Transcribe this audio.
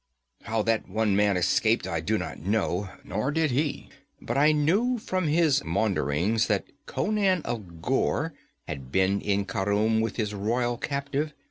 'How that one man escaped, I do not know, nor did he; but I knew from his maunderings that Conan of Ghor had been in Khurum with his royal captive.